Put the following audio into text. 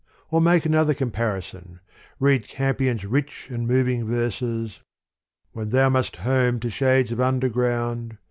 Or make another compar ison : read Campion's rich and moving verses : "When thou must home to shades of underground.